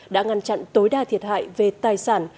đã ngăn chặn tối đa thiệt hại về tài sản